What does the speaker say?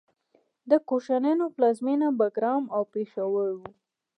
د کوشانیانو پلازمینه بګرام او پیښور و